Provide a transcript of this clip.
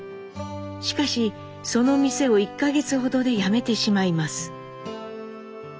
しかしその店を１か月ほどで辞めてしまいます。